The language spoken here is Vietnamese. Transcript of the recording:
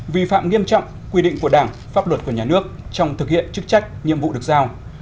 vi phạm nghiêm trọng quy định của đảng pháp luật của nhà nước trong thực hiện chức trách nhiệm vụ được giao